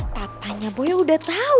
papanya boya sudah tahu